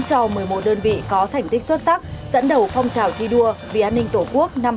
cho một mươi một đơn vị có thành tích xuất sắc dẫn đầu phong trào thi đua vì an ninh tổ quốc năm hai nghìn hai mươi ba